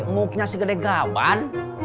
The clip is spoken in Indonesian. muknya segede gaban